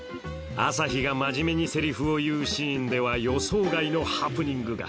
朝陽が真面目にセリフを言うシーンでは予想外のハプニングが